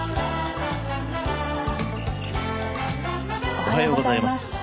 おはようございます。